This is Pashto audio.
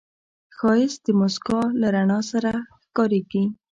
ښایست د موسکا له رڼا سره ښکاریږي